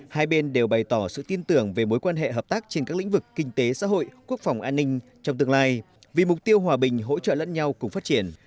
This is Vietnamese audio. hai bên đều bày tỏ sự tin tưởng về mối quan hệ hợp tác trên các lĩnh vực kinh tế xã hội quốc phòng an ninh trong tương lai vì mục tiêu hòa bình hỗ trợ lẫn nhau cùng phát triển